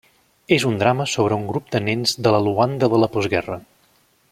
És un drama sobre un grup de nens en la Luanda de la postguerra.